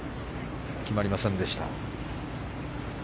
決まりませんでした。